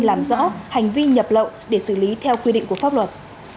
làm rõ hành vi nhập lậu để xử lý theo quy định của pháp luật